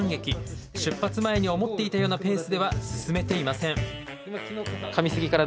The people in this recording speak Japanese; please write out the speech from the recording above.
出発前に思っていたようなペースでは進めていません。